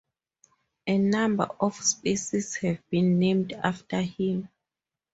A number of species have been named after him.